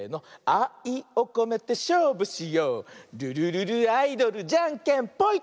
「あいをこめてしょうぶしよう」「ルルルルアイドルじゃんけんぽい！」